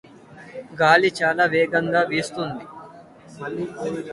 గాలి చాలా వేగంగా వీస్తోంది.